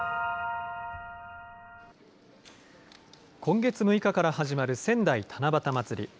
今月６日から始まる仙台七夕まつり。